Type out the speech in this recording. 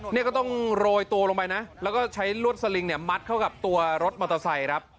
เนี่ยก็ต้องโรยตัวลงไปนะแล้วก็ใช้ลวดสลิงเนี่ยมัดเข้ากับตัวรถมอเตอร์ไซค์ครับ